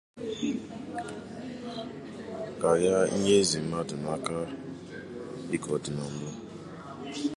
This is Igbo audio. karịa inyezị mmadụ n'aka dịka ọ dị na mbụ.